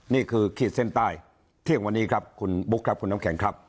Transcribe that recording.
ขีดเส้นใต้เที่ยงวันนี้ครับคุณบุ๊คครับคุณน้ำแข็งครับ